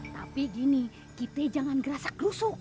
tapi gini kita jangan gerasak gerusuk